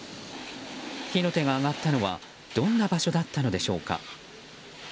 火の手が上がったのはどんな場所だったのでしょうか。